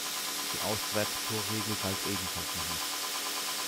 Die Auswärtstorregel galt ebenfalls noch nicht.